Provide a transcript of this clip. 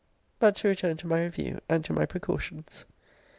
But to return to my review and to my precautions.